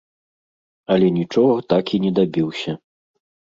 Але нічога так і не дабіўся.